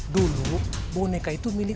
dulu boneka itu milik